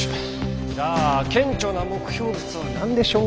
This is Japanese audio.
じゃあ顕著な目標物は何でしょう？